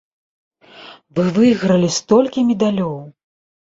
Вы выйгралі столькі медалёў!